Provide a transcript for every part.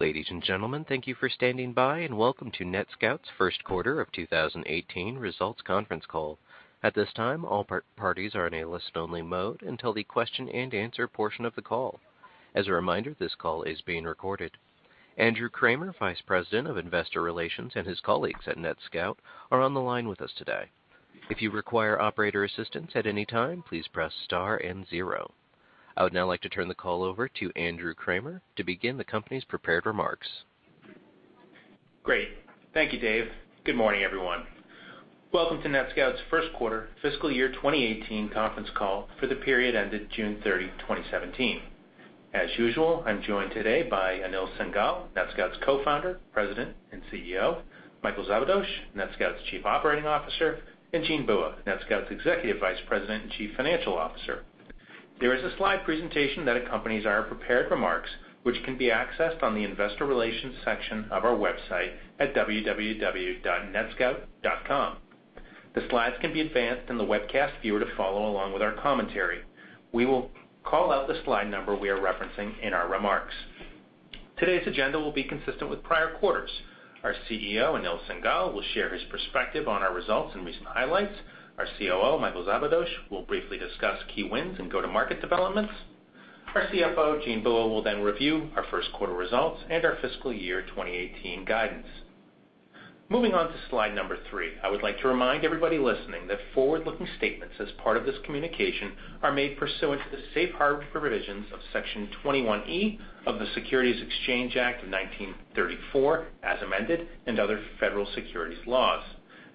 Ladies and gentlemen, thank you for standing by, and welcome to NetScout's first quarter of 2018 results conference call. At this time, all parties are in a listen-only mode until the question and answer portion of the call. As a reminder, this call is being recorded. Andrew Kramer, Vice President of Investor Relations, and his colleagues at NetScout are on the line with us today. If you require operator assistance at any time, please press star and zero. I would now like to turn the call over to Andrew Kramer to begin the company's prepared remarks. Great. Thank you, Dave. Good morning, everyone. Welcome to NetScout's first quarter fiscal year 2018 conference call for the period ended June 30, 2017. As usual, I'm joined today by Anil Singhal, NetScout's Co-founder, President, and CEO; Michael Szabados, NetScout's Chief Operating Officer; and Jean Bua, NetScout's Executive Vice President and Chief Financial Officer. There is a slide presentation that accompanies our prepared remarks, which can be accessed on the investor relations section of our website at www.netscout.com. The slides can be advanced in the webcast viewer to follow along with our commentary. We will call out the slide number we are referencing in our remarks. Today's agenda will be consistent with prior quarters. Our CEO, Anil Singhal, will share his perspective on our results and recent highlights. Our COO, Michael Szabados, will briefly discuss key wins and go-to-market developments. Our CFO, Jean Bua, will then review our first quarter results and our fiscal year 2018 guidance. Moving on to slide number three, I would like to remind everybody listening that forward-looking statements as part of this communication are made pursuant to the safe harbor provisions of Section 21E of the Securities Exchange Act of 1934, as amended, other federal securities laws.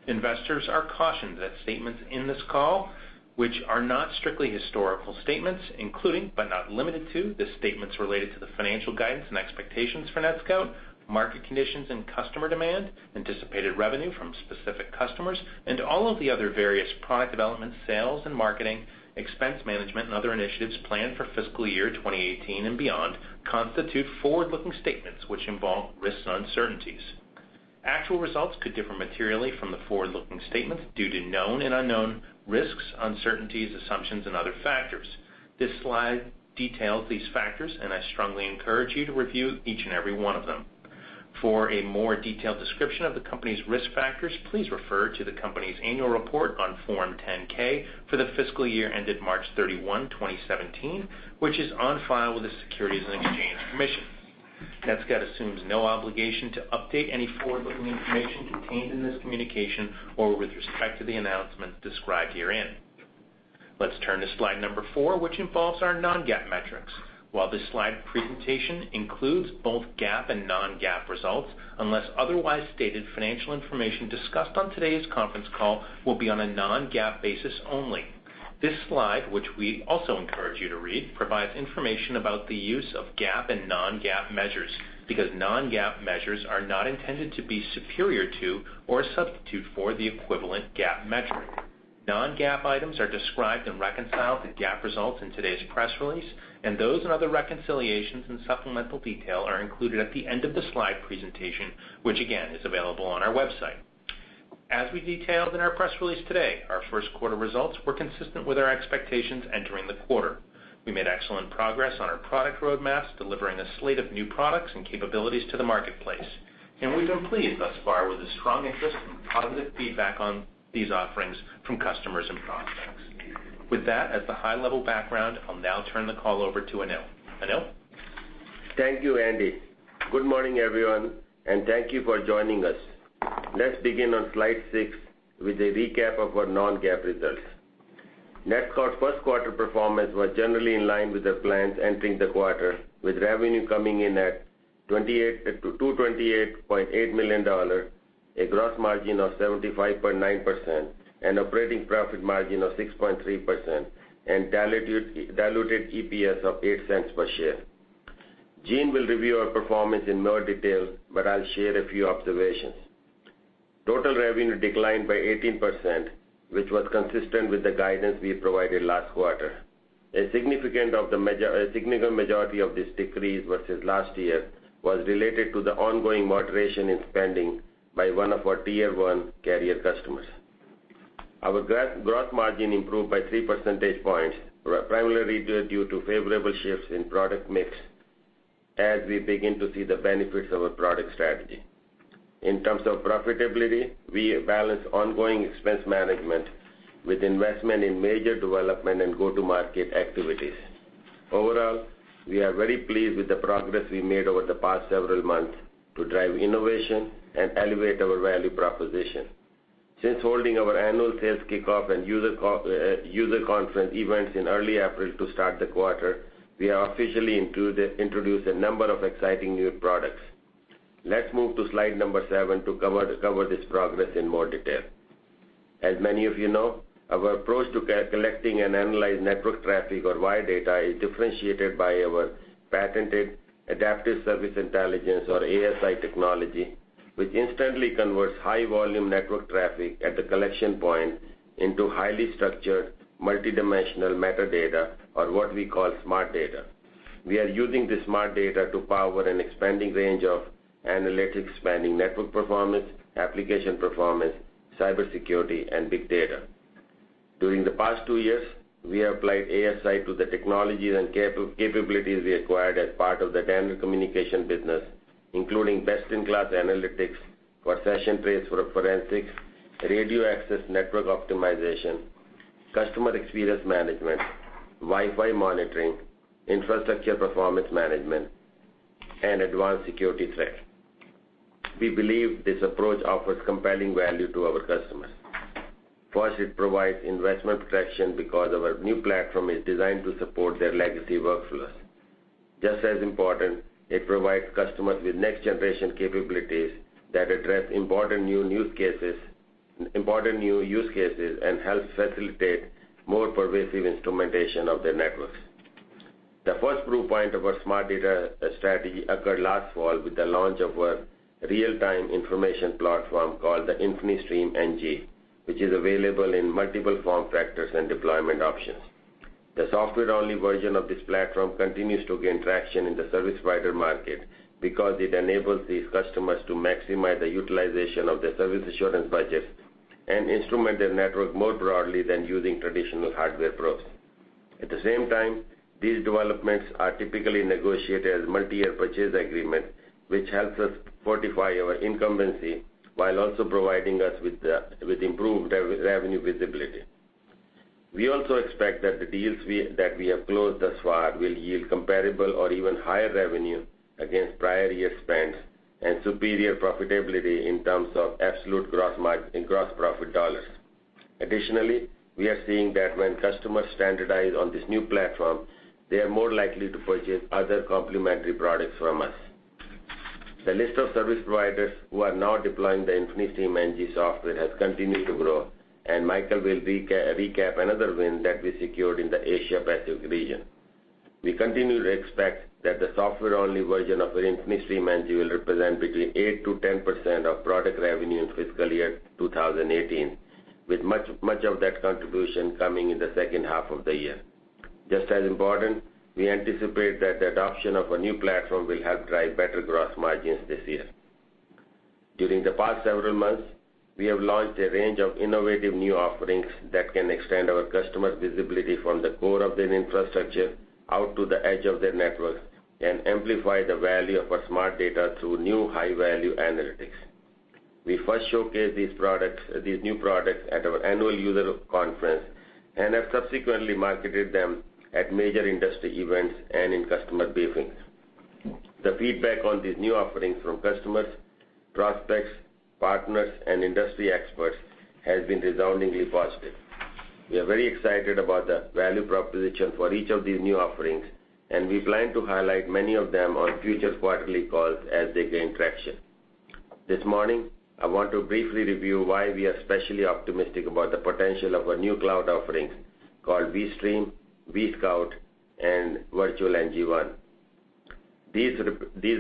Investors are cautioned that statements in this call, which are not strictly historical statements, including, but not limited to, the statements related to the financial guidance and expectations for NetScout, market conditions and customer demand, anticipated revenue from specific customers, all of the other various product development, sales, and marketing, expense management, and other initiatives planned for fiscal year 2018 and beyond, constitute forward-looking statements which involve risks and uncertainties. Actual results could differ materially from the forward-looking statements due to known and unknown risks, uncertainties, assumptions, and other factors. This slide details these factors, I strongly encourage you to review each and every one of them. For a more detailed description of the company's risk factors, please refer to the company's annual report on Form 10-K for the fiscal year ended March 31, 2017, which is on file with the Securities and Exchange Commission. NetScout assumes no obligation to update any forward-looking information contained in this communication or with respect to the announcements described herein. Let's turn to slide number four, which involves our non-GAAP metrics. While this slide presentation includes both GAAP and non-GAAP results, unless otherwise stated, financial information discussed on today's conference call will be on a non-GAAP basis only. This slide, which we also encourage you to read, provides information about the use of GAAP and non-GAAP measures because non-GAAP measures are not intended to be superior to or a substitute for the equivalent GAAP metric. Non-GAAP items are described and reconciled to GAAP results in today's press release, and those and other reconciliations and supplemental detail are included at the end of the slide presentation, which again is available on our website. As we detailed in our press release today, our first quarter results were consistent with our expectations entering the quarter. We made excellent progress on our product roadmaps, delivering a slate of new products and capabilities to the marketplace. We've been pleased thus far with the strong interest and positive feedback on these offerings from customers and prospects. With that as the high-level background, I'll now turn the call over to Anil. Anil? Thank you, Andy. Good morning, everyone, and thank you for joining us. Let's begin on slide six with a recap of our non-GAAP results. NetScout's first quarter performance was generally in line with the plans entering the quarter, with revenue coming in at $228.8 million, a gross margin of 75.9%, an operating profit margin of 6.3%, and diluted EPS of $0.08 per share. Jean will review our performance in more detail, but I'll share a few observations. Total revenue declined by 18%, which was consistent with the guidance we provided last quarter. A significant majority of this decrease versus last year was related to the ongoing moderation in spending by one of our tier 1 carrier customers. Our gross margin improved by three percentage points, primarily due to favorable shifts in product mix as we begin to see the benefits of our product strategy. In terms of profitability, we balance ongoing expense management with investment in major development and go-to-market activities. Overall, we are very pleased with the progress we made over the past several months to drive innovation and elevate our value proposition. Since holding our annual sales kickoff and user conference events in early April to start the quarter, we have officially introduced a number of exciting new products. Let's move to slide number seven to cover this progress in more detail. As many of you know, our approach to collecting and analyzing network traffic or wire data is differentiated by our patented Adaptive Service Intelligence, or ASI technology, which instantly converts high volume network traffic at the collection point into highly structured, multidimensional metadata, or what we call smart data. We are using this smart data to power an expanding range of analytics spanning network performance, application performance, cybersecurity, and big data. During the past two years, we have applied ASI to the technologies and capabilities we acquired as part of the Danaher communication business, including best-in-class analytics for session trace for forensics, radio access network optimization, customer experience management, Wi-Fi monitoring, infrastructure performance management, and advanced security threat. We believe this approach offers compelling value to our customers. First, it provides investment protection because our new platform is designed to support their legacy workflows. Just as important, it provides customers with next-generation capabilities that address important new use cases and helps facilitate more pervasive instrumentation of their networks. The first proof point of our smart data strategy occurred last fall with the launch of our real-time information platform called the InfiniStreamNG, which is available in multiple form factors and deployment options. The software-only version of this platform continues to gain traction in the service provider market because it enables these customers to maximize the utilization of their service assurance budgets and instrument their network more broadly than using traditional hardware probes. At the same time, these developments are typically negotiated as multi-year purchase agreements, which helps us fortify our incumbency while also providing us with improved revenue visibility. We also expect that the deals that we have closed thus far will yield comparable or even higher revenue against prior year spends and superior profitability in terms of absolute gross margin in gross profit dollars. Additionally, we are seeing that when customers standardize on this new platform, they are more likely to purchase other complementary products from us. The list of service providers who are now deploying the InfiniStreamNG software has continued to grow, and Michael will recap another win that we secured in the Asia Pacific region. We continue to expect that the software-only version of InfiniStreamNG will represent between 8%-10% of product revenue in FY 2018, with much of that contribution coming in the second half of the year. Just as important, we anticipate that the adoption of a new platform will help drive better gross margins this year. During the past several months, we have launched a range of innovative new offerings that can extend our customers' visibility from the core of their infrastructure out to the edge of their networks and amplify the value of our smart data through new high-value analytics. We first showcased these new products at our annual user conference and have subsequently marketed them at major industry events and in customer briefings. The feedback on these new offerings from customers, prospects, partners, and industry experts has been resoundingly positive. We are very excited about the value proposition for each of these new offerings, and we plan to highlight many of them on future quarterly calls as they gain traction. This morning, I want to briefly review why we are especially optimistic about the potential of our new cloud offerings called vSTREAM, vSCOUT, and virtual nGeniusONE. These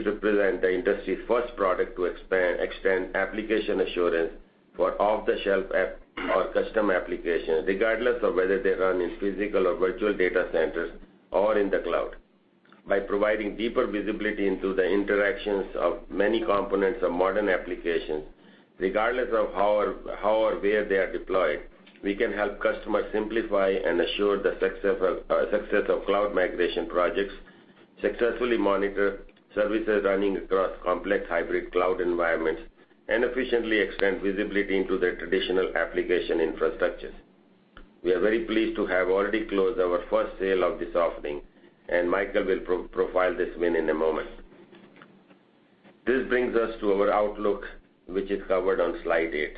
represent the industry's first product to extend application assurance for off-the-shelf app or custom applications, regardless of whether they run in physical or virtual data centers or in the cloud. By providing deeper visibility into the interactions of many components of modern applications, regardless of how or where they are deployed, we can help customers simplify and assure the success of cloud migration projects, successfully monitor services running across complex hybrid cloud environments, and efficiently extend visibility into their traditional application infrastructures. We are very pleased to have already closed our first sale of this offering, and Michael will profile this win in a moment. This brings us to our outlook, which is covered on slide eight.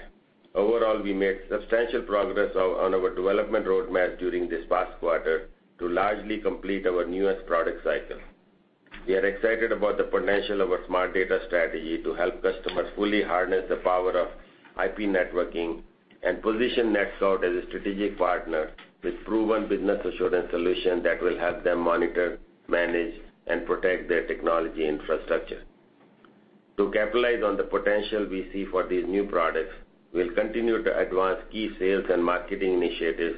Overall, we made substantial progress on our development roadmap during this past quarter to largely complete our newest product cycle. We are excited about the potential of our smart data strategy to help customers fully harness the power of IP networking and position NetScout as a strategic partner with proven business assurance solutions that will help them monitor, manage, and protect their technology infrastructure. To capitalize on the potential we see for these new products, we will continue to advance key sales and marketing initiatives.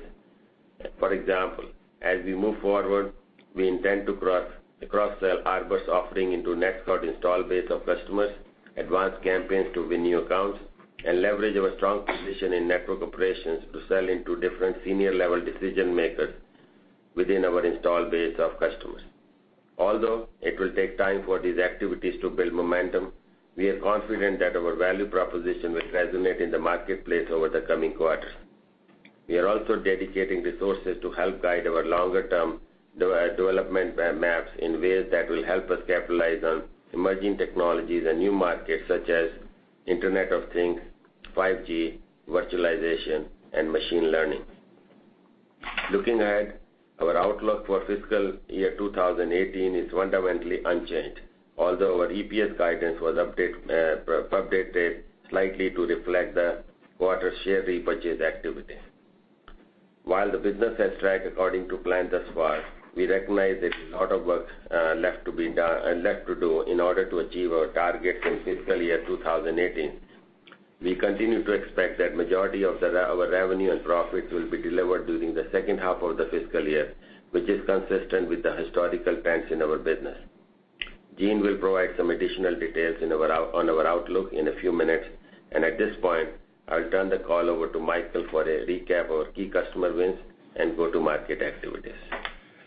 For example, as we move forward, we intend to cross-sell Arbor's offering into NetScout installed base of customers, advance campaigns to win new accounts, and leverage our strong position in network operations to sell into different senior level decision makers within our installed base of customers. Although it will take time for these activities to build momentum, we are confident that our value proposition will resonate in the marketplace over the coming quarters. We are also dedicating resources to help guide our longer-term development maps in ways that will help us capitalize on emerging technologies and new markets such as Internet of Things, 5G, virtualization, and machine learning. Looking ahead, our outlook for fiscal year 2018 is fundamentally unchanged, although our EPS guidance was updated slightly to reflect the quarter share repurchase activity. While the business has tracked according to plan thus far, we recognize there is a lot of work left to do in order to achieve our targets in fiscal year 2018. We continue to expect that majority of our revenue and profits will be delivered during the second half of the fiscal year, which is consistent with the historical trends in our business. Jean will provide some additional details on our outlook in a few minutes. At this point, I will turn the call over to Michael for a recap of our key customer wins and go-to-market activities.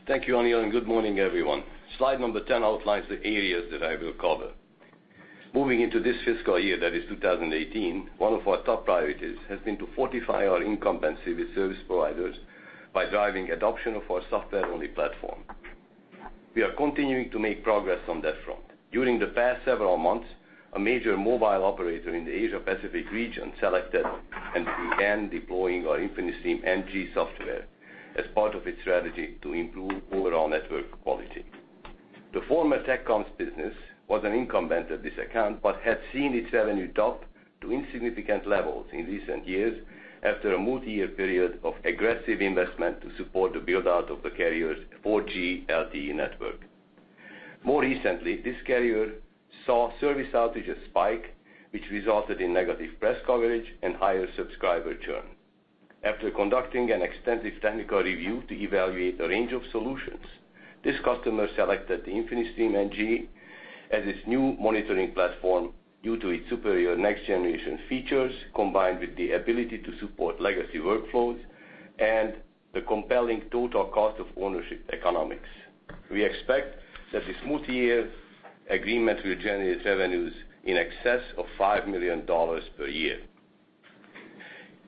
Thank you, Anil, and good morning, everyone. Slide number 10 outlines the areas that I will cover. Moving into this fiscal year, that is 2018, one of our top priorities has been to fortify our incumbency with service providers by driving adoption of our software-only platform. We are continuing to make progress on that front. During the past several months, a major mobile operator in the Asia Pacific region selected and began deploying our InfiniStreamNG software as part of its strategy to improve overall network quality. The former TekCom's business was an incumbent of this account but had seen its revenue drop to insignificant levels in recent years after a multi-year period of aggressive investment to support the build-out of the carrier's 4G LTE network. More recently, this carrier saw service outages spike, which resulted in negative press coverage and higher subscriber churn. After conducting an extensive technical review to evaluate a range of solutions, this customer selected the InfiniStreamNG as its new monitoring platform due to its superior next-generation features, combined with the ability to support legacy workflows and the compelling total cost of ownership economics. We expect that this multi-year agreement will generate revenues in excess of $5 million per year.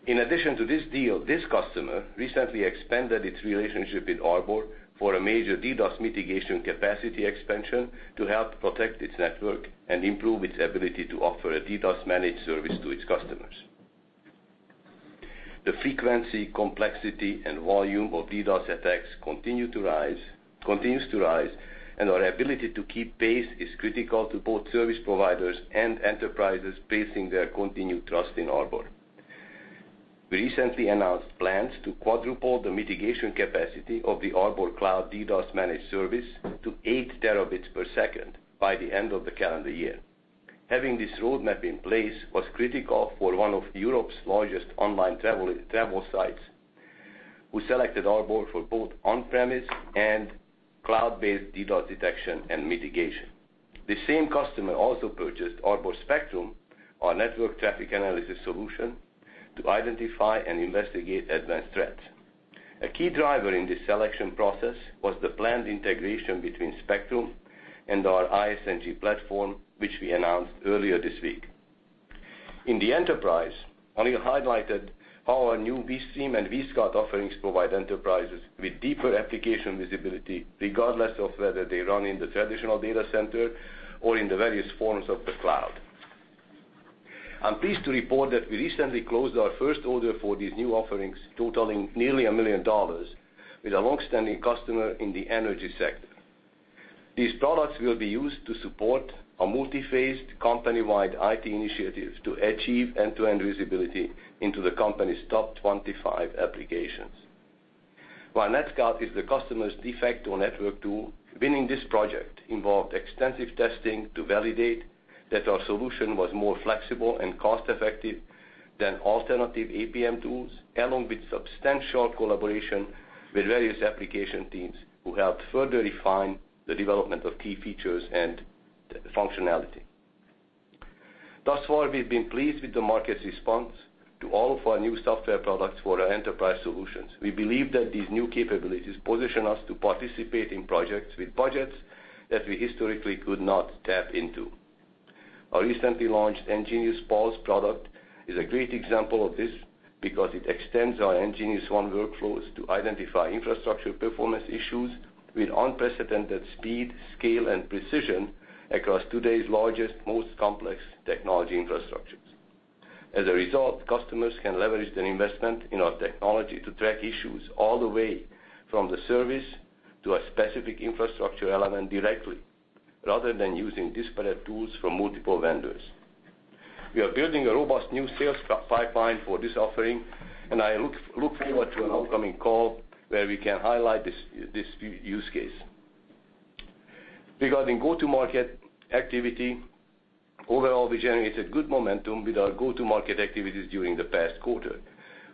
In addition to this deal, this customer recently expanded its relationship with Arbor for a major DDoS mitigation capacity expansion to help protect its network and improve its ability to offer a DDoS managed service to its customers. The frequency, complexity, and volume of DDoS attacks continues to rise, and our ability to keep pace is critical to both service providers and enterprises placing their continued trust in Arbor. We recently announced plans to quadruple the mitigation capacity of the Arbor Cloud DDoS Managed Service to 8 terabits per second by the end of the calendar year. Having this roadmap in place was critical for one of Europe's largest online travel sites, who selected Arbor for both on-premise and cloud-based DDoS detection and mitigation. This same customer also purchased Arbor Spectrum, our network traffic analysis solution, to identify and investigate advanced threats. A key driver in this selection process was the planned integration between Spectrum and our ISNG platform, which we announced earlier this week. In the enterprise, Anil highlighted how our new vSTREAM and vSCOUT offerings provide enterprises with deeper application visibility, regardless of whether they run in the traditional data center or in the various forms of the cloud. I'm pleased to report that we recently closed our first order for these new offerings, totaling nearly $1 million, with a long-standing customer in the energy sector. These products will be used to support a multi-phased company-wide IT initiative to achieve end-to-end visibility into the company's top 25 applications. While NetScout is the customer's de facto network tool, winning this project involved extensive testing to validate that our solution was more flexible and cost-effective than alternative APM tools, along with substantial collaboration with various application teams who helped further refine the development of key features and functionality. Thus far, we've been pleased with the market's response to all of our new software products for our enterprise solutions. We believe that these new capabilities position us to participate in projects with budgets that we historically could not tap into. Our recently launched nGeniusPULSE product is a great example of this because it extends our nGeniusONE workflows to identify infrastructure performance issues with unprecedented speed, scale, and precision across today's largest, most complex technology infrastructures. As a result, customers can leverage their investment in our technology to track issues all the way from the service to a specific infrastructure element directly, rather than using disparate tools from multiple vendors. We are building a robust new sales pipeline for this offering, and I look forward to an upcoming call where we can highlight this use case. Regarding go-to-market activity, overall, we generated good momentum with our go-to-market activities during the past quarter.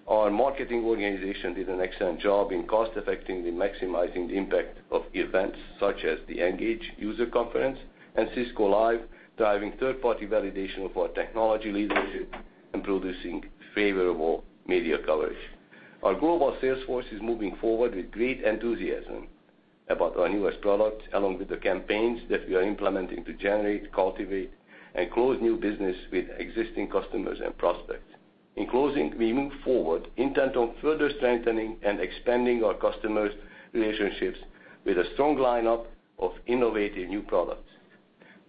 Our marketing organization did an excellent job in cost-effectively maximizing the impact of events such as the ENGAGE User Conference and Cisco Live, driving third-party validation of our technology leadership and producing favorable media coverage. Our global sales force is moving forward with great enthusiasm about our newest product, along with the campaigns that we are implementing to generate, cultivate, and close new business with existing customers and prospects. In closing, we move forward intent on further strengthening and expanding our customers' relationships with a strong lineup of innovative new products.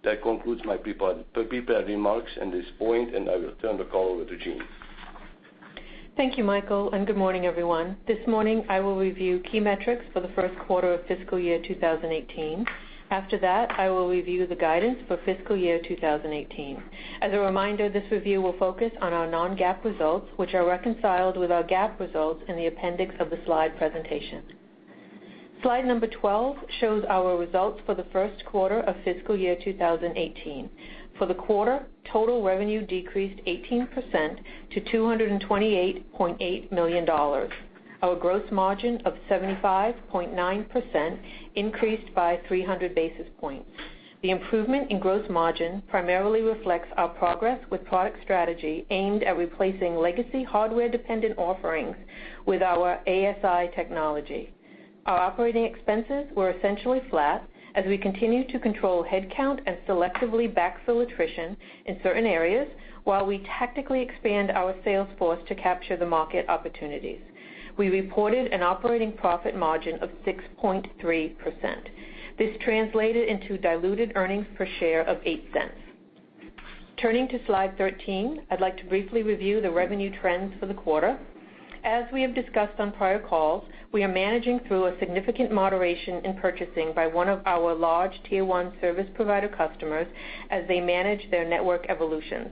That concludes my prepared remarks at this point, I will turn the call over to Jean. Thank you, Michael, and good morning, everyone. This morning, I will review key metrics for the first quarter of fiscal year 2018. After that, I will review the guidance for fiscal year 2018. As a reminder, this review will focus on our non-GAAP results, which are reconciled with our GAAP results in the appendix of the slide presentation. Slide number 12 shows our results for the first quarter of fiscal year 2018. For the quarter, total revenue decreased 18% to $228.8 million. Our gross margin of 75.9% increased by 300 basis points. The improvement in gross margin primarily reflects our progress with product strategy aimed at replacing legacy hardware-dependent offerings with our ASI technology. Our operating expenses were essentially flat as we continue to control headcount and selectively backfill attrition in certain areas while we tactically expand our sales force to capture the market opportunities. We reported an operating profit margin of 6.3%. This translated into diluted earnings per share of $0.08. Turning to slide 13, I'd like to briefly review the revenue trends for the quarter. As we have discussed on prior calls, we are managing through a significant moderation in purchasing by one of our large tier 1 service provider customers as they manage their network evolutions.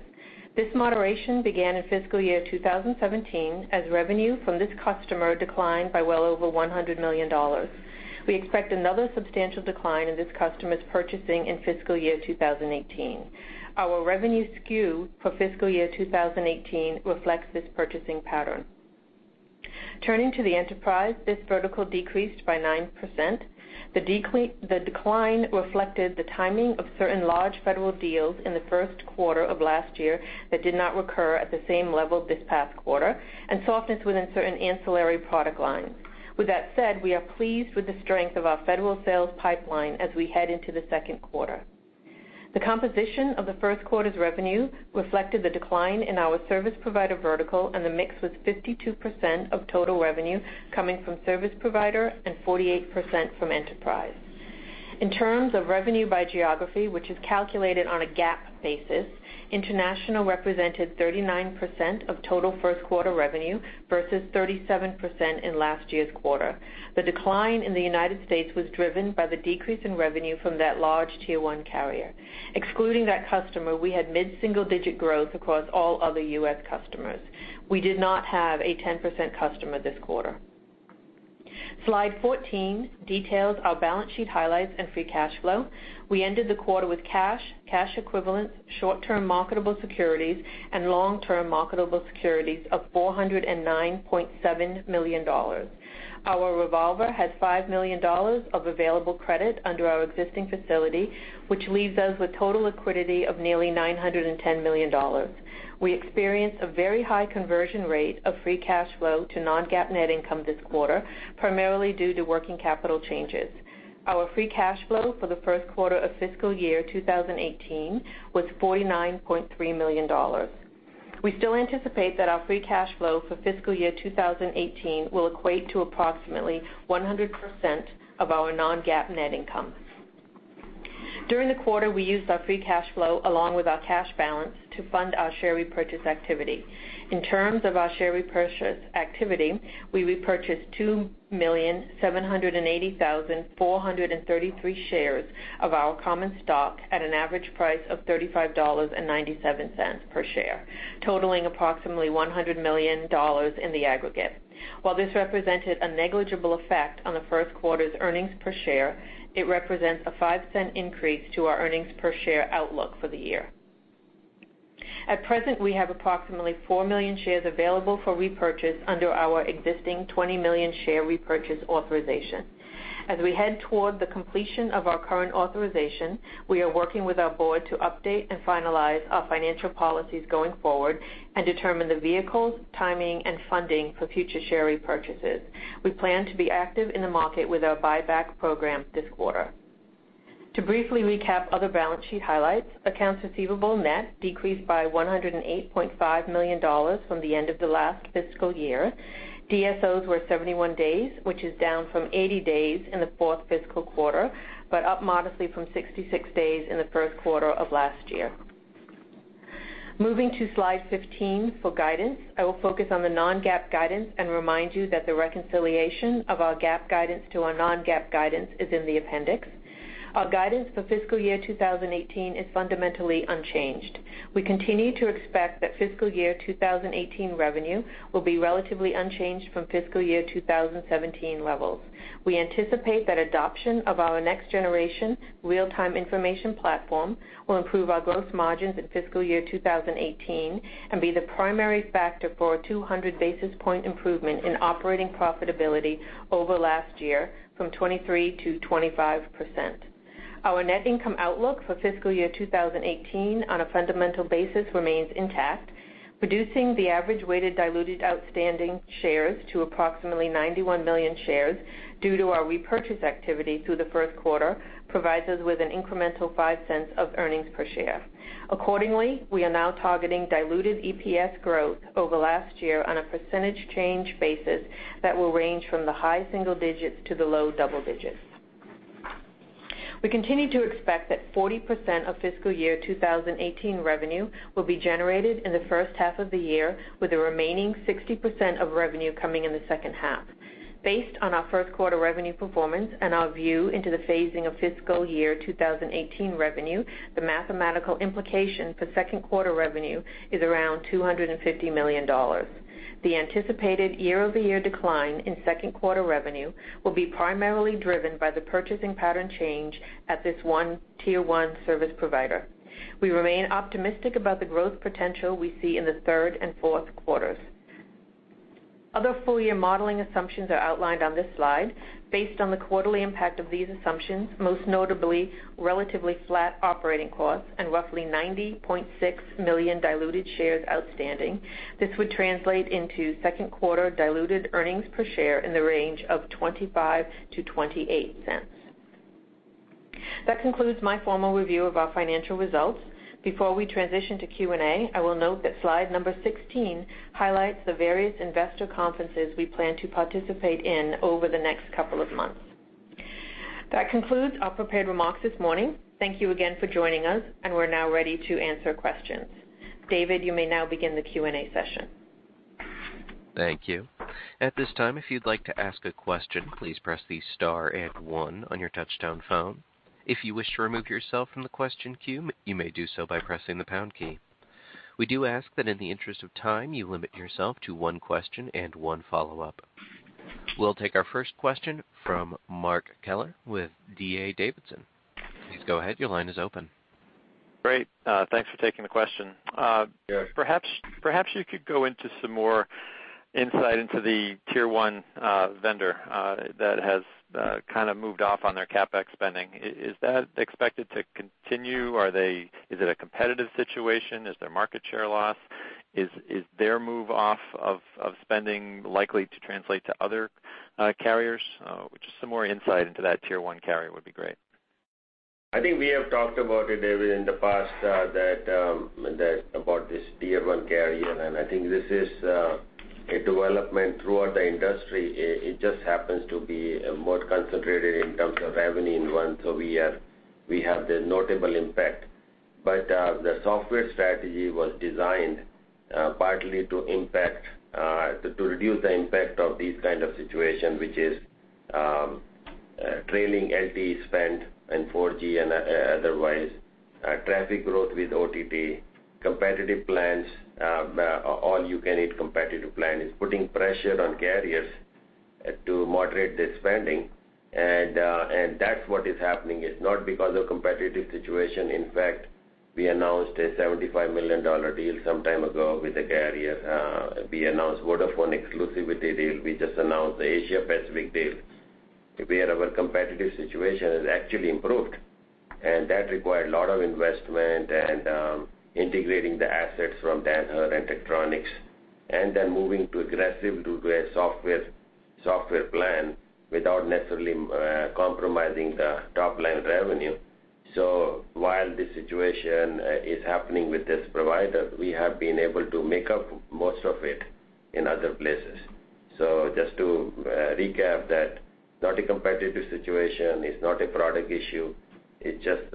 This moderation began in fiscal year 2017 as revenue from this customer declined by well over $100 million. We expect another substantial decline in this customer's purchasing in fiscal year 2018. Our revenue SKU for fiscal year 2018 reflects this purchasing pattern. Turning to the enterprise, this vertical decreased by 9%. The decline reflected the timing of certain large federal deals in the first quarter of last year that did not recur at the same level this past quarter, and softness within certain ancillary product lines. With that said, we are pleased with the strength of our federal sales pipeline as we head into the second quarter. The composition of the first quarter's revenue reflected the decline in our service provider vertical, and the mix was 52% of total revenue coming from service provider and 48% from enterprise. In terms of revenue by geography, which is calculated on a GAAP basis, international represented 39% of total first quarter revenue versus 37% in last year's quarter. The decline in the United States was driven by the decrease in revenue from that large tier 1 carrier. Excluding that customer, we had mid-single digit growth across all other U.S. customers. We did not have a 10% customer this quarter. Slide 14 details our balance sheet highlights and free cash flow. We ended the quarter with cash equivalents, short-term marketable securities, and long-term marketable securities of $409.7 million. Our revolver had $5 million of available credit under our existing facility, which leaves us with total liquidity of nearly $910 million. We experienced a very high conversion rate of free cash flow to non-GAAP net income this quarter, primarily due to working capital changes. Our free cash flow for the first quarter of fiscal year 2018 was $49.3 million. We still anticipate that our free cash flow for fiscal year 2018 will equate to approximately 100% of our non-GAAP net income. During the quarter, we used our free cash flow along with our cash balance to fund our share repurchase activity. In terms of our share repurchase activity, we repurchased 2,780,433 shares of our common stock at an average price of $35.97 per share, totaling approximately $100 million in the aggregate. While this represented a negligible effect on the first quarter's earnings per share, it represents a $0.05 increase to our earnings per share outlook for the year. At present, we have approximately 4 million shares available for repurchase under our existing 20 million share repurchase authorization. As we head toward the completion of our current authorization, we are working with our board to update and finalize our financial policies going forward and determine the vehicles, timing, and funding for future share repurchases. We plan to be active in the market with our buyback program this quarter. To briefly recap other balance sheet highlights, accounts receivable net decreased by $108.5 million from the end of the last fiscal year. DSOs were 71 days, which is down from 80 days in the fourth fiscal quarter, but up modestly from 66 days in the first quarter of last year. Moving to slide 15 for guidance, I will focus on the non-GAAP guidance and remind you that the reconciliation of our GAAP guidance to our non-GAAP guidance is in the appendix. Our guidance for fiscal year 2018 is fundamentally unchanged. We continue to expect that fiscal year 2018 revenue will be relatively unchanged from fiscal year 2017 levels. We anticipate that adoption of our next-generation real-time information platform will improve our gross margins in fiscal year 2018 and be the primary factor for a 200 basis point improvement in operating profitability over last year from 23% to 25%. Our net income outlook for fiscal year 2018 on a fundamental basis remains intact, reducing the average weighted diluted outstanding shares to approximately 91 million shares due to our repurchase activity through the first quarter provides us with an incremental $0.05 of earnings per share. Accordingly, we are now targeting diluted EPS growth over last year on a percentage change basis that will range from the high single digits to the low double digits. We continue to expect that 40% of fiscal year 2018 revenue will be generated in the first half of the year, with the remaining 60% of revenue coming in the second half. Based on our first quarter revenue performance and our view into the phasing of fiscal year 2018 revenue, the mathematical implication for second quarter revenue is around $250 million. The anticipated year-over-year decline in second quarter revenue will be primarily driven by the purchasing pattern change at this 1 tier 1 service provider. We remain optimistic about the growth potential we see in the third and fourth quarters. Other full year modeling assumptions are outlined on this slide based on the quarterly impact of these assumptions, most notably, relatively flat operating costs and roughly 90.6 million diluted shares outstanding. This would translate into second quarter diluted earnings per share in the range of $0.25-$0.28. That concludes my formal review of our financial results. Before we transition to Q&A, I will note that slide number 16 highlights the various investor conferences we plan to participate in over the next couple of months. That concludes our prepared remarks this morning. Thank you again for joining us, and we're now ready to answer questions. David, you may now begin the Q&A session. Thank you. At this time, if you'd like to ask a question, please press the star and one on your touch-tone phone. If you wish to remove yourself from the question queue, you may do so by pressing the pound key. We do ask that in the interest of time, you limit yourself to one question and one follow-up. We'll take our first question from Mark Keller with D.A. Davidson. Please go ahead. Your line is open. Great. Thanks for taking the question. Sure. Perhaps you could go into some more insight into the Tier 1 vendor that has moved off on their CapEx spending. Is that expected to continue? Is it a competitive situation? Is there market share loss? Is their move off of spending likely to translate to other carriers? Just some more insight into that Tier 1 carrier would be great. I think we have talked about it, David, in the past about this tier 1 carrier, this is a development throughout the industry. It just happens to be more concentrated in terms of revenue in one. We have the notable impact. The software strategy was designed partly to reduce the impact of these kind of situation, which is trailing LTE spend in 4G and otherwise. Traffic growth with OTT, competitive plans, all-you-can-eat competitive plan is putting pressure on carriers to moderate their spending. That's what is happening. It's not because of competitive situation. In fact, we announced a $75 million deal some time ago with a carrier. We announced Vodafone exclusivity deal. We just announced the Asia Pacific deal, where our competitive situation has actually improved. That required a lot of investment and integrating the assets from Danaher and Tektronix, then moving to aggressive to a software plan without necessarily compromising the top-line revenue. While the situation is happening with this provider, we have been able to make up most of it in other places. Just to recap that, not a competitive situation. It's not a product issue. It's just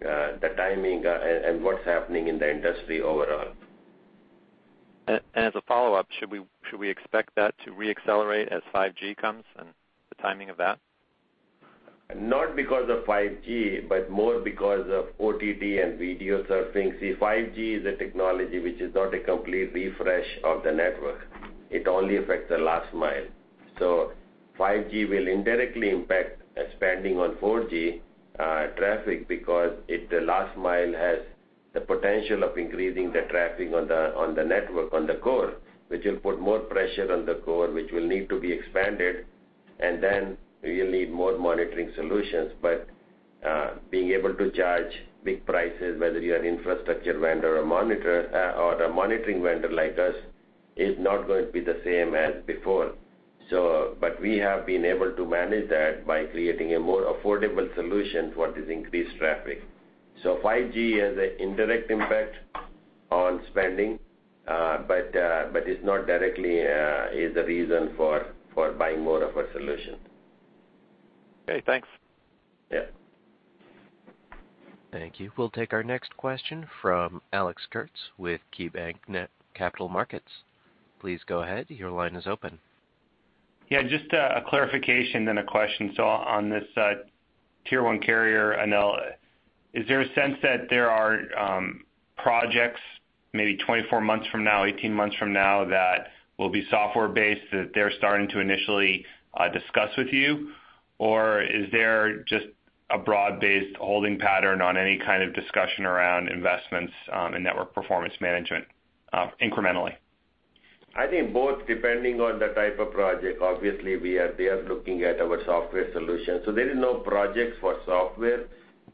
the timing and what's happening in the industry overall. As a follow-up, should we expect that to re-accelerate as 5G comes and the timing of that? Not because of 5G, but more because of OTT and video surfing. See, 5G is a technology which is not a complete refresh of the network. It only affects the last mile. 5G will indirectly impact expanding on 4G traffic because if the last mile has the potential of increasing the traffic on the network, on the core, which will put more pressure on the core, which will need to be expanded, then we will need more monitoring solutions. Being able to charge big prices, whether you're an infrastructure vendor or a monitoring vendor like us, is not going to be the same as before. We have been able to manage that by creating a more affordable solution for this increased traffic. 5G has an indirect impact on spending, but it's not directly is the reason for buying more of a solution. Okay, thanks. Yeah. Thank you. We'll take our next question from Alex Kurtz with KeyBanc Capital Markets. Please go ahead. Your line is open. Yeah, just a clarification then a question. On this Tier 1 carrier, Anil, is there a sense that there are projects maybe 24 months from now, 18 months from now, that will be software-based, that they're starting to initially discuss with you? Or is there just a broad-based holding pattern on any kind of discussion around investments in network performance management incrementally? I think both, depending on the type of project. Obviously, they are looking at our software solution. There is no projects for software.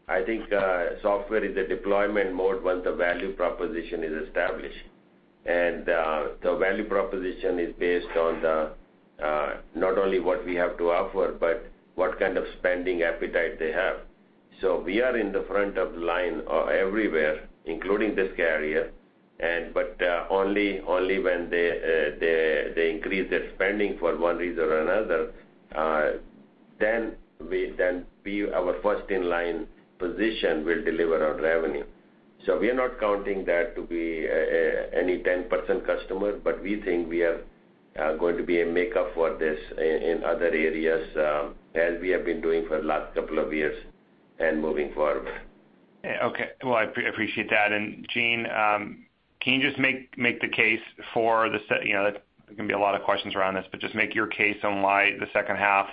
I think software is a deployment mode once the value proposition is established. The value proposition is based on the, not only what we have to offer, but what kind of spending appetite they have. We are in the front of line everywhere, including this carrier. Only when they increase their spending for one reason or another, then our first in line position will deliver our revenue. We are not counting that to be any 10% customer, but we think we are going to be a make up for this in other areas as we have been doing for the last couple of years and moving forward. Okay. Well, I appreciate that. Jean, can you just make the case for the There can be a lot of questions around this, but just make your case on why the second half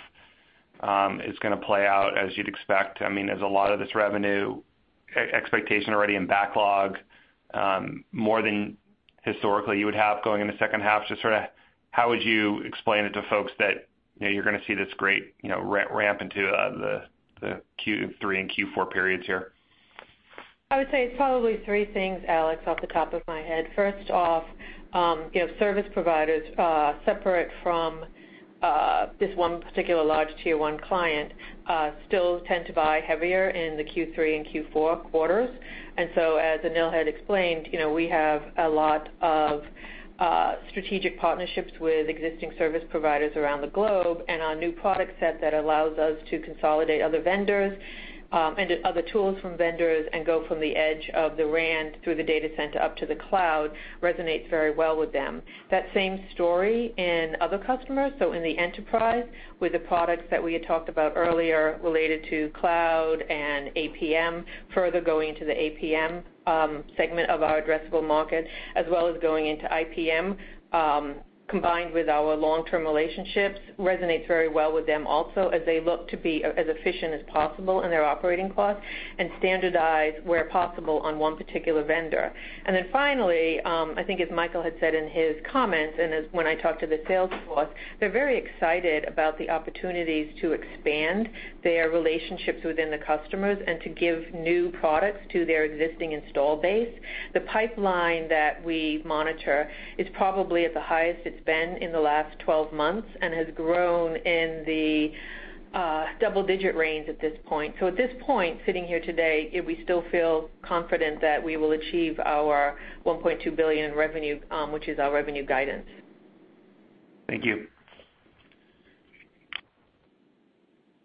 it's going to play out as you'd expect. There's a lot of this revenue expectation already in backlog, more than historically you would have going in the second half. Just how would you explain it to folks that you're going to see this great ramp into the Q3 and Q4 periods here? I would say it's probably three things, Alex, off the top of my head. First off, service providers separate from this one particular large tier 1 client still tend to buy heavier in the Q3 and Q4 quarters. As Anil had explained, we have a lot of strategic partnerships with existing service providers around the globe, and our new product set that allows us to consolidate other tools from vendors and go from the edge of the RAN through the data center up to the cloud resonates very well with them. That same story in other customers. In the enterprise, with the products that we had talked about earlier related to cloud and APM, further going into the APM segment of our addressable market, as well as going into IPM, combined with our long-term relationships, resonates very well with them also as they look to be as efficient as possible in their operating costs and standardize where possible on one particular vendor. Finally, I think as Michael had said in his comments and when I talked to the sales force, they're very excited about the opportunities to expand their relationships within the customers and to give new products to their existing install base. The pipeline that we monitor is probably at the highest it's been in the last 12 months and has grown in the double-digit range at this point. At this point, sitting here today, we still feel confident that we will achieve our $1.2 billion revenue, which is our revenue guidance. Thank you.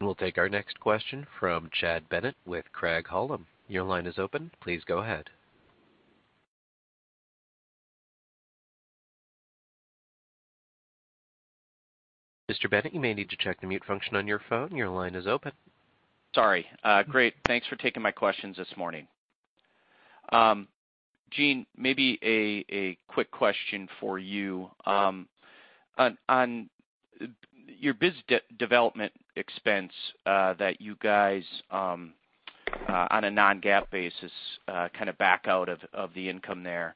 We'll take our next question from Chad Bennett with Craig-Hallum. Your line is open. Please go ahead. Mr. Bennett, you may need to check the mute function on your phone. Your line is open. Sorry. Great. Thanks for taking my questions this morning. Jean, maybe a quick question for you. On your business development expense that you guys on a non-GAAP basis back out of the income there.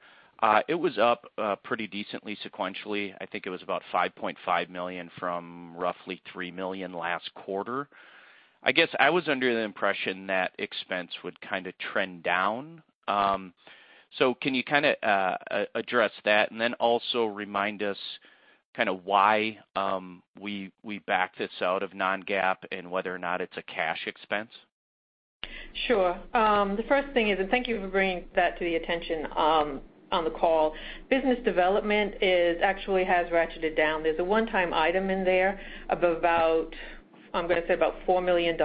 It was up pretty decently sequentially. I think it was about $5.5 million from roughly $3 million last quarter. I guess I was under the impression that expense would trend down. Can you address that? Also remind us why we backed this out of non-GAAP and whether or not it's a cash expense. Sure. The first thing is, thank you for bringing that to the attention on the call, business development actually has ratcheted down. There's a one-time item in there of about, I'm going to say about $4 million,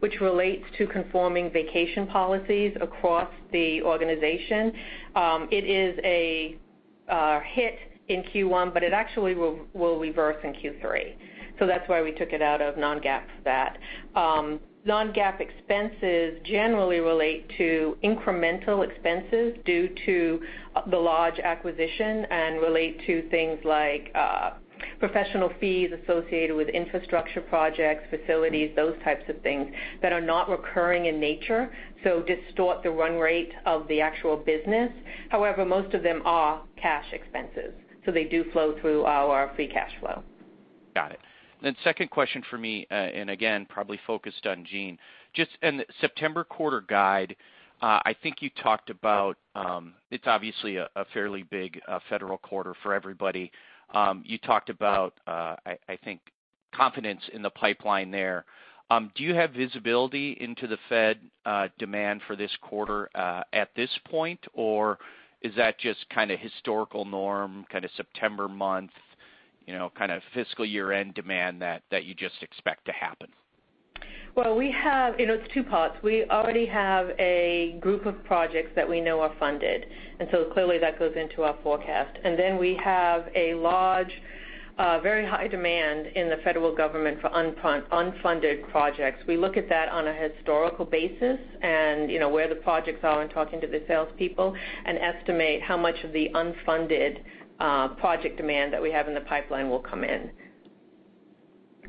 which relates to conforming vacation policies across the organization. It is a hit in Q1, but it actually will reverse in Q3. That's why we took it out of non-GAAP stat. Non-GAAP expenses generally relate to incremental expenses due to the large acquisition and relate to things like professional fees associated with infrastructure projects, facilities, those types of things that are not recurring in nature, distort the run rate of the actual business. However, most of them are cash expenses, they do flow through our free cash flow. Got it. Second question for me. Again, probably focused on Jean. Just in the September quarter guide, I think you talked about it's obviously a fairly big federal quarter for everybody. You talked about, I think, confidence in the pipeline there. Do you have visibility into the fed demand for this quarter at this point, or is that just historical norm, September month, fiscal year-end demand that you just expect to happen? Well, it's two parts. We already have a group of projects that we know are funded, and so clearly that goes into our forecast. We have a large, very high demand in the federal government for unfunded projects. We look at that on a historical basis and where the projects are in talking to the salespeople and estimate how much of the unfunded project demand that we have in the pipeline will come in.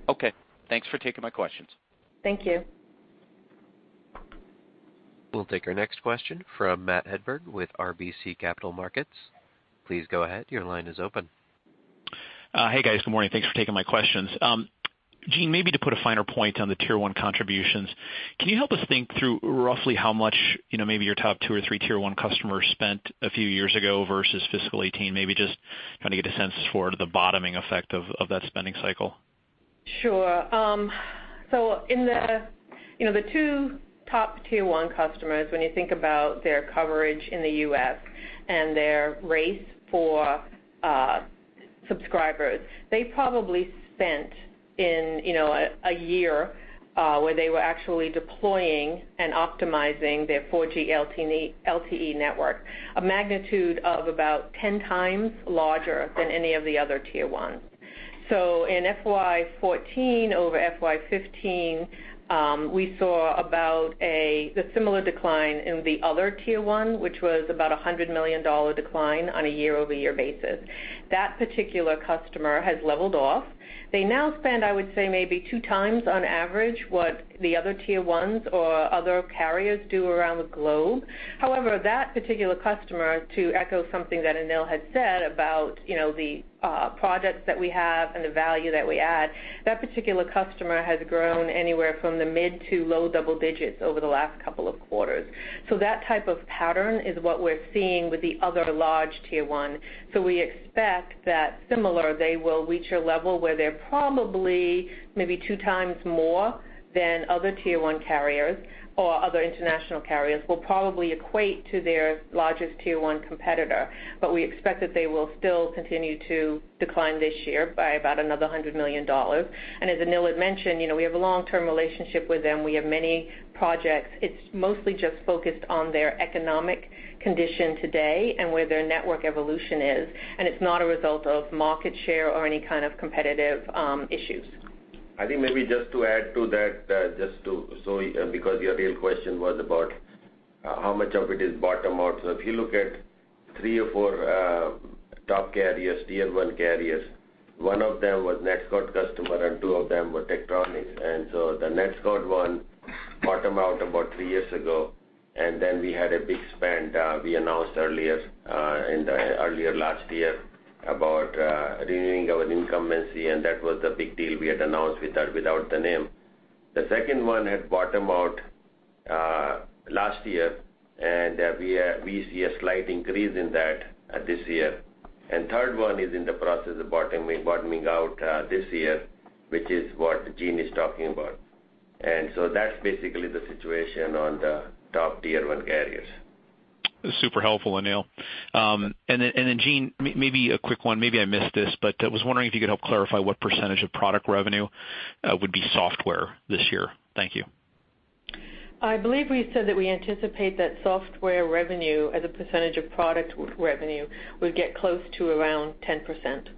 Okay. Thanks for taking my questions. Thank you. We'll take our next question from Matt Hedberg with RBC Capital Markets. Please go ahead. Your line is open. Hey, guys. Good morning. Thanks for taking my questions. Jean, maybe to put a finer point on the tier 1 contributions, can you help us think through roughly how much maybe your top two or three tier 1 customers spent a few years ago versus fiscal 2018? Maybe just trying to get a sense for the bottoming effect of that spending cycle. Sure. The 2 top tier 1 customers, when you think about their coverage in the U.S. and their race for subscribers, they probably spent in a year where they were actually deploying and optimizing their 4G LTE network, a magnitude of about 10 times larger than any of the other tier 1s. In FY 2014 over FY 2015, we saw about a similar decline in the other tier 1, which was about $100 million decline on a year-over-year basis. That particular customer has leveled off. They now spend, I would say, maybe 2 times on average what the other tier 1s or other carriers do around the globe. However, that particular customer, to echo something that Anil had said about the projects that we have and the value that we add, that particular customer has grown anywhere from the mid to low double digits over the last couple of quarters. That type of pattern is what we're seeing with the other large tier 1. We expect that similar, they will reach a level where they're probably maybe 2 times more than other tier 1 carriers, or other international carriers will probably equate to their largest tier 1 competitor. We expect that they will still continue to decline this year by about another $100 million. As Anil had mentioned, we have a long-term relationship with them. We have many projects. It's mostly just focused on their economic condition today and where their network evolution is, and it's not a result of market share or any kind of competitive issues. I think maybe just to add to that, because your real question was about how much of it is bottom out. If you look at three or four top carriers, tier 1 carriers, one of them was NetScout customer, and two of them were Tektronix. The NetScout one bottomed out about three years ago, then we had a big spend we announced earlier last year about renewing our incumbency, and that was the big deal we had announced without the name. The second one had bottomed out last year, and we see a slight increase in that this year. Third one is in the process of bottoming out this year, which is what Jean is talking about. That's basically the situation on the top tier 1 carriers. Super helpful, Anil. Jean, maybe a quick one. Maybe I missed this, but I was wondering if you could help clarify what % of product revenue would be software this year. Thank you. I believe we said that we anticipate that software revenue as a % of product revenue will get close to around 10%.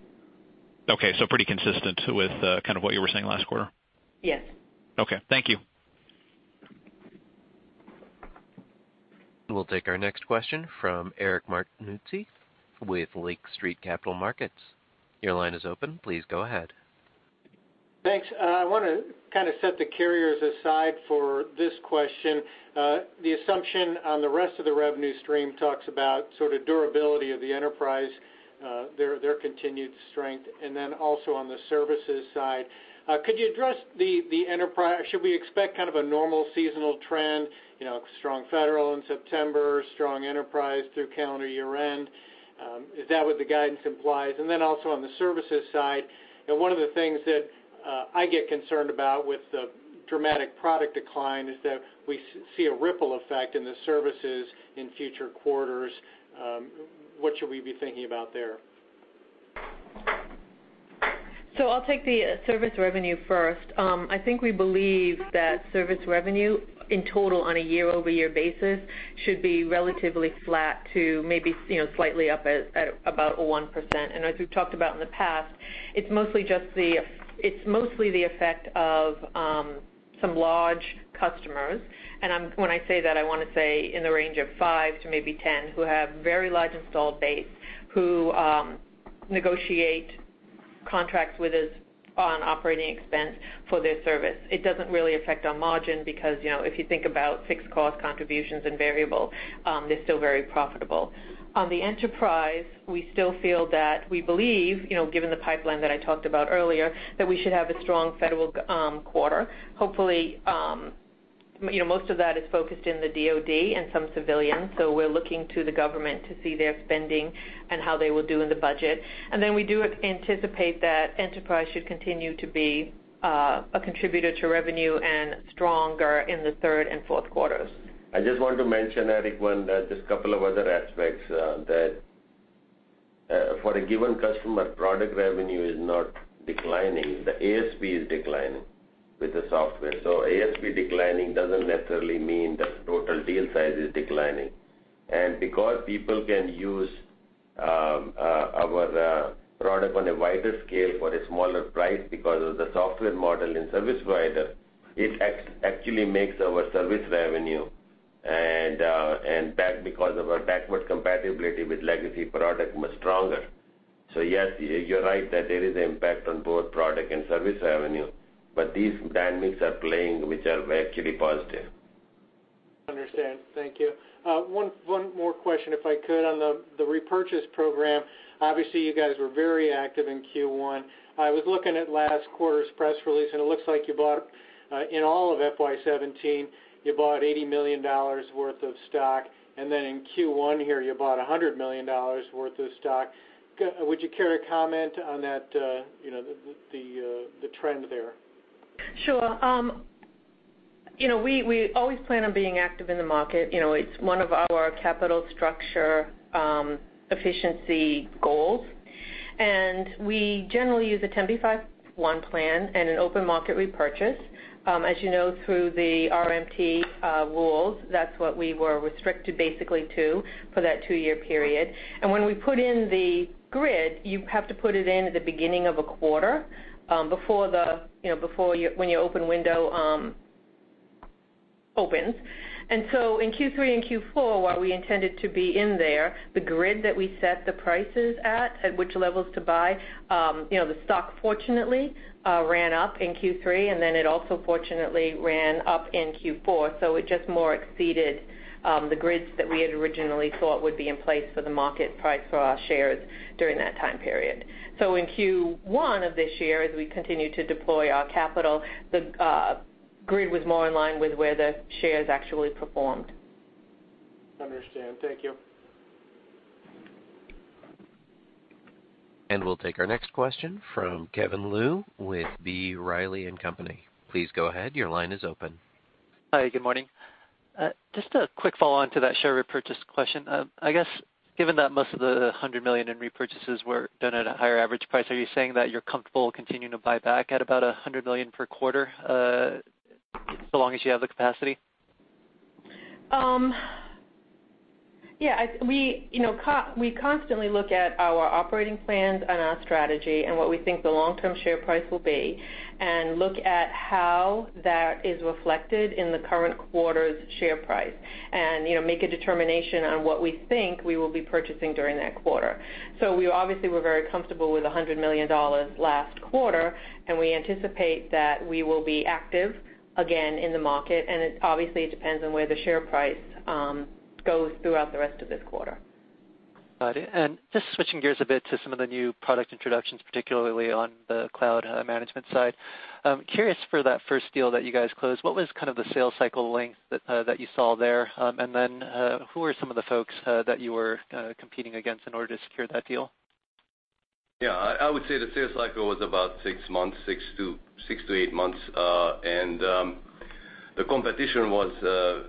Okay, pretty consistent with what you were saying last quarter. Yes. Okay. Thank you. We'll take our next question from Eric Martinuzzi with Lake Street Capital Markets. Your line is open. Please go ahead. Thanks. I want to set the carriers aside for this question. The assumption on the rest of the revenue stream talks about sort of durability of the enterprise, their continued strength, also on the services side. Should we expect kind of a normal seasonal trend, strong federal in September, strong enterprise through calendar year-end? Is that what the guidance implies? Also on the services side, one of the things that I get concerned about with the dramatic product decline is that we see a ripple effect in the services in future quarters. What should we be thinking about there? I'll take the service revenue first. I think we believe that service revenue in total on a year-over-year basis should be relatively flat to maybe slightly up at about 1%. As we've talked about in the past, it's mostly the effect of some large customers. When I say that, I want to say in the range of five to maybe 10, who have very large installed base, who negotiate contracts with us on operating expense for their service. It doesn't really affect our margin because, if you think about fixed cost contributions and variable, they're still very profitable. On the enterprise, we still feel that we believe, given the pipeline that I talked about earlier, that we should have a strong federal quarter. Hopefully, most of that is focused in the DoD and some civilian. We're looking to the government to see their spending and how they will do in the budget. We do anticipate that enterprise should continue to be a contributor to revenue and stronger in the third and fourth quarters. I just want to mention, Eric, just a couple of other aspects, that for a given customer, product revenue is not declining. The ASP is declining with the software. ASP declining doesn't necessarily mean that total deal size is declining. Because people can use our product on a wider scale for a smaller price because of the software model and service provider, it actually makes our service revenue, and that because of our backward compatibility with legacy product, much stronger. Yes, you're right that there is impact on both product and service revenue, but these dynamics are playing, which are actually positive. Understand. Thank you. One more question, if I could, on the repurchase program. Obviously, you guys were very active in Q1. I was looking at last quarter's press release, it looks like in all of FY 2017, you bought $80 million worth of stock, then in Q1 here, you bought $100 million worth of stock. Would you care to comment on the trend there? Sure. We always plan on being active in the market. It's one of our capital structure efficiency goals, we generally use a Rule 10b5-1 plan and an open market repurchase. As you know through the RMT rules, that's what we were restricted basically to for that two-year period. When we put in the grid, you have to put it in at the beginning of a quarter when your open window opens. In Q3 and Q4, while we intended to be in there, the grid that we set the prices at which levels to buy, the stock fortunately ran up in Q3, then it also fortunately ran up in Q4. It just more exceeded the grids that we had originally thought would be in place for the market price for our shares during that time period. In Q1 of this year, as we continue to deploy our capital, the grid was more in line with where the shares actually performed. Understand. Thank you. We'll take our next question from Kevin Liu with B. Riley & Company. Please go ahead. Your line is open. Hi, good morning. Just a quick follow-on to that share repurchase question. I guess given that most of the $100 million in repurchases were done at a higher average price, are you saying that you're comfortable continuing to buy back at about $100 million per quarter, so long as you have the capacity? Yeah. We constantly look at our operating plans and our strategy and what we think the long-term share price will be and look at how that is reflected in the current quarter's share price and make a determination on what we think we will be purchasing during that quarter. We obviously were very comfortable with $100 million last quarter. We anticipate that we will be active again in the market. It obviously depends on where the share price goes throughout the rest of this quarter. Got it. Just switching gears a bit to some of the new product introductions, particularly on the cloud management side. Curious for that first deal that you guys closed, what was the sales cycle length that you saw there? Then who were some of the folks that you were competing against in order to secure that deal? Yeah, I would say the sales cycle was about six months, six to eight months. The competition was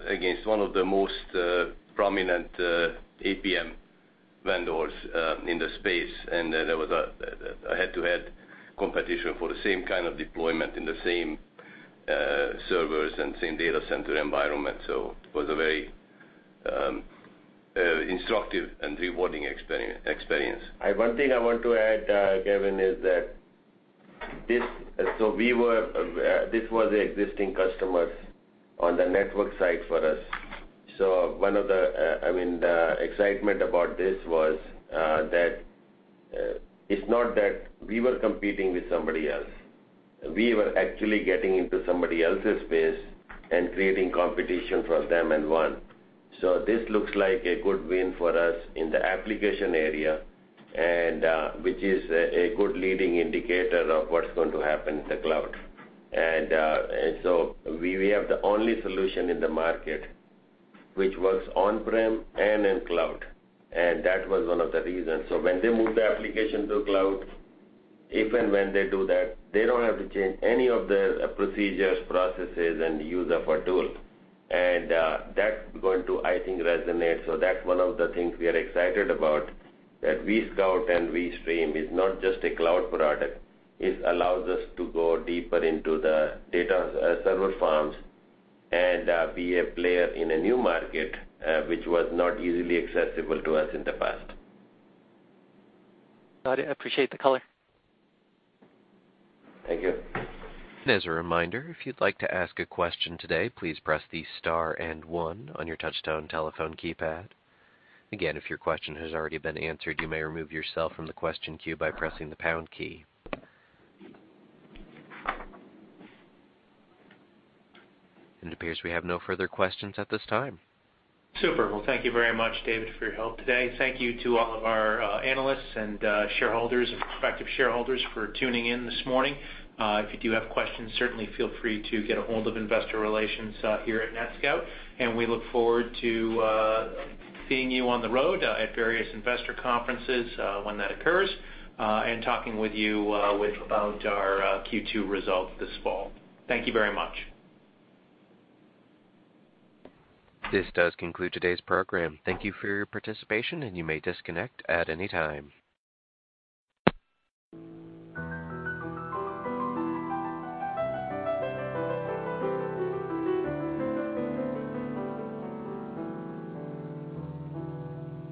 against one of the most prominent APM vendors in the space. There was a head-to-head competition for the same kind of deployment in the same servers and same data center environment. It was a very instructive and rewarding experience. One thing I want to add, Kevin, is that this was an existing customer on the network side for us. The excitement about this was that it's not that we were competing with somebody else. We were actually getting into somebody else's space and creating competition for them and won. This looks like a good win for us in the application area, which is a good leading indicator of what's going to happen in the cloud. We have the only solution in the market which works on-prem and in cloud. That was one of the reasons. When they move the application to cloud, if and when they do that, they don't have to change any of their procedures, processes, and use of our tool. That's going to, I think, resonate. That's one of the things we are excited about, that vSCOUT and vSTREAM is not just a cloud product. It allows us to go deeper into the data server farms and be a player in a new market, which was not easily accessible to us in the past. Got it. I appreciate the color. Thank you. As a reminder, if you'd like to ask a question today, please press the star and 1 on your touchtone telephone keypad. Again, if your question has already been answered, you may remove yourself from the question queue by pressing the pound key. It appears we have no further questions at this time. Super. Well, thank you very much, David, for your help today. Thank you to all of our analysts and shareholders and prospective shareholders for tuning in this morning. If you do have questions, certainly feel free to get a hold of investor relations here at NetScout. We look forward to seeing you on the road at various investor conferences when that occurs, and talking with you about our Q2 results this fall. Thank you very much. This does conclude today's program. Thank you for your participation, and you may disconnect at any time.